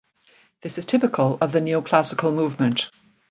This is typical of the Neo-classical movement.